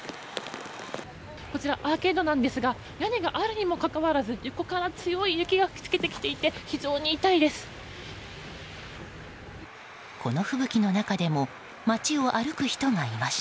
こちら、アーケードなんですが屋根があるにもかかわらず横から強い雪が吹き付けてきていて非常に痛いです。